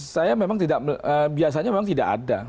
saya memang tidak biasanya memang tidak ada